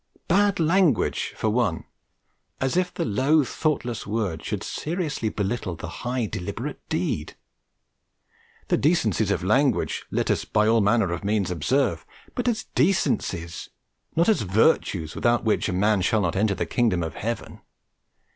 Bad language, for one; as if the low thoughtless word should seriously belittle the high deliberate deed! The decencies of language let us by all manner of means observe, but as decencies, not as virtues without which a man shall not enter the Kingdom of Heaven.